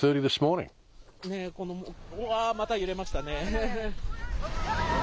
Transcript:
うわ、また揺れましたね。